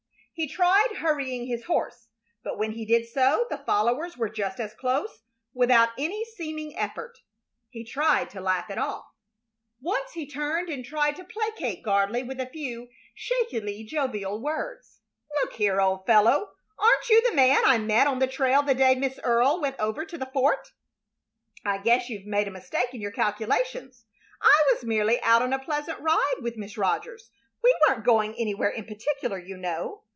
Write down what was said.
He tried hurrying his horse, but when he did so the followers were just as close without any seeming effort. He tried to laugh it all off. Once he turned and tried to placate Gardley with a few shakily jovial words: "Look here, old fellow, aren't you the man I met on the trail the day Miss Earle went over to the fort? I guess you've made a mistake in your calculations. I was merely out on a pleasure ride with Miss Rogers. We weren't going anywhere in particular, you know.